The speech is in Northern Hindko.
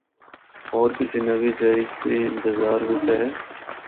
ہور کسی نوّی جائی دی انتظار بچ ہے۔